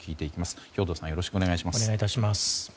よろしくお願いします。